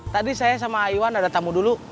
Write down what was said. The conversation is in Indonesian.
tadi saya sama iwan ada tamu dulu